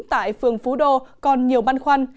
tại phường phú đô còn nhiều băn khoăn